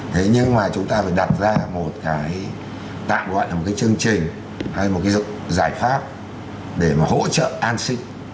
thế nhưng mà chúng ta phải đặt ra một cái tạm gọi là một cái chương trình hay một cái giải pháp để mà hỗ trợ an sinh